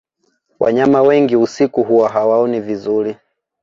wanyama wengi usiku huwa hawaoni vizuri